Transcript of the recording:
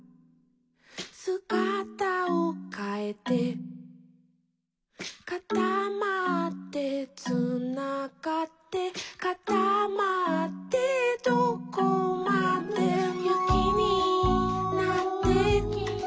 「すがたをかえて」「かたまってつながって」「かたまってどこまでも」「ゆきになって」